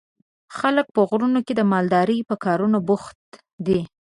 خلک په غرونو کې د مالدارۍ په کارونو بوخت دي.